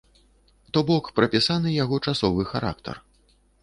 То бок, прапісаны яго часовы характар.